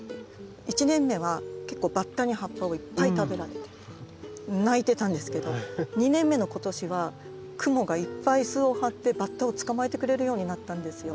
１年目は結構バッタに葉っぱをいっぱい食べられて泣いてたんですけど２年目の今年はクモがいっぱい巣を張ってバッタを捕まえてくれるようになったんですよ。